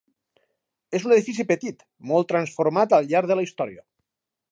És un edifici petit, molt transformat al llarg de la història.